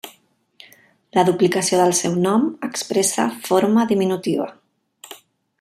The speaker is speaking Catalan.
La duplicació del seu nom expressa forma diminutiva.